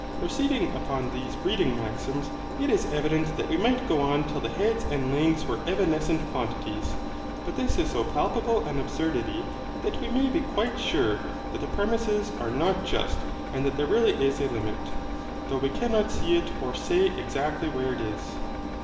Proceeding upon these breeding maxims, it is evident that we might go on till the heads and legs were evanescent quantities, but this is so palpable an absurdity that we may be quite sure that the premises are not just and that there really is a limit, though we cannot see it or say exactly where it is.